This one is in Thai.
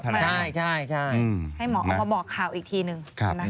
ให้หมอออกมาบอกข่าวอีกทีหนึ่ง